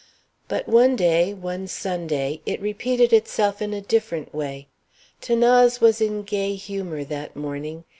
But one day, one Sunday, it repeated itself in a different way. 'Thanase was in gay humor that morning.